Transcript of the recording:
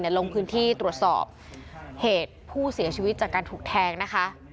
ลงพื้นที่ตรวจสอบเหตุผู้เสียชีวิตจากการถูกแทงนะคะ